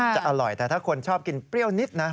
จะอร่อยแต่ถ้าคนชอบกินเปรี้ยวนิดนะ